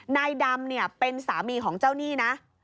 นายดำเป็นสามีของเจ้านี่นะ